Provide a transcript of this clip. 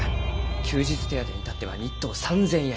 休日手当に至っては日当３，０００円。